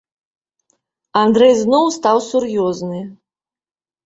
Андрэй зноў стаў сур'ёзны.